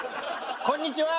こんにちは！